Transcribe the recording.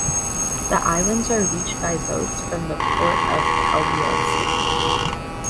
The islands are reached by boats from the Port of Calbayog City.